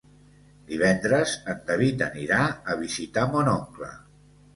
Divendres en David anirà a visitar mon oncle.